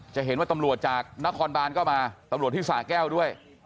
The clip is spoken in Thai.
จะเห็นว่าตำรวจจากนครบานก็มาตำรวจที่สะแก้วด้วย